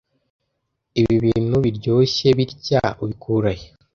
ibi bintu biryoshye bitya, ubikura he